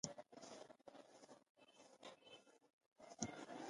انسان څومره احمق دی چې د سیاسي موخو لپاره وژل کوي